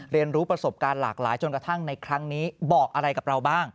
เรียนรู้ประสบการณ์หลากหลายจนกระทั่งในครั้งนี้บอกอะไรกับเราบ้าง